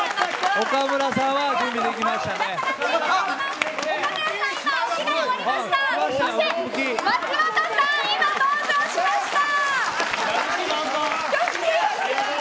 松本さんが今、登場しました。